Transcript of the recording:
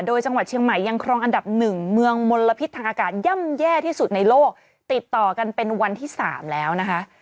โดยจังหวัดเชียงใหม่ยังครองอันดับหนึ่งเมืองมลพิษทางอากาศย่ำแย่ที่สุดในโลกติดต่อกันเป็นวันที่๓แล้วนะคะ